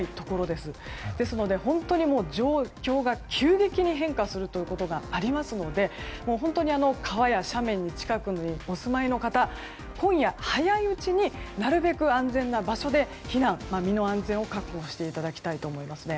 ですので、本当に状況が急激に変化することがありますので本当に川や斜面の近くにお住まいの方、今夜早いうちになるべく安全な場所で避難、身の安全を確保していただきたいですね。